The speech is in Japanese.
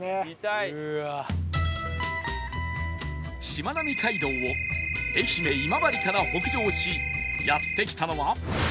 しまなみ海道を愛媛今治から北上しやって来たのは